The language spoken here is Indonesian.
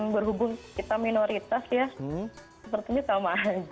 berhubung kita minoritas ya sepertinya sama aja